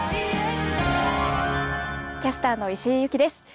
キャスターの石井由貴です。